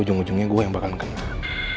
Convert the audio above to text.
ujung ujungnya gue yang bakal kena